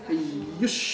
よし！